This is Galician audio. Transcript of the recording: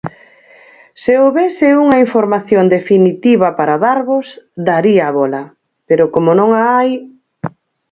Se houbese unha información definitiva para darvos, daríavola, pero como non a hai...